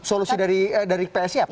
solusi dari psi apa